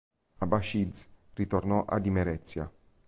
Abashidze ritornò ad Imerezia.